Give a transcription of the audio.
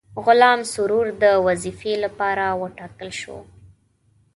غلام سرور د وظیفې لپاره وټاکل شو.